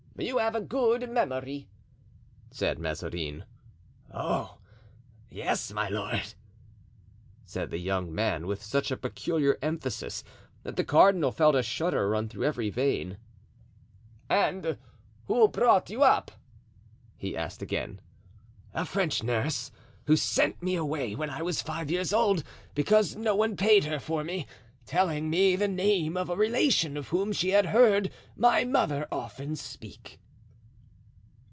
"You have a good memory," said Mazarin. "Oh! yes, my lord," said the young man, with such peculiar emphasis that the cardinal felt a shudder run through every vein. "And who brought you up?" he asked again. "A French nurse, who sent me away when I was five years old because no one paid her for me, telling me the name of a relation of whom she had heard my mother often speak."